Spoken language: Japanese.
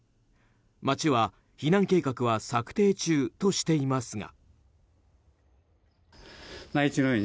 町は避難計画は策定中としていますが。